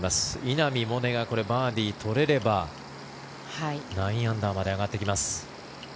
稲見萌寧がバーディー取れれば９アンダーまで上がってきます。